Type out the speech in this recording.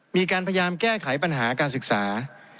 มีการพยายามแก้ไขปัญหาการศึกษา